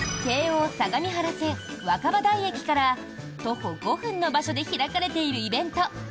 京王相模原線若葉台駅から徒歩５分の場所で開かれているイベント